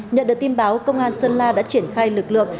nhận được tin báo công an sơn la đã triển khai lực lượng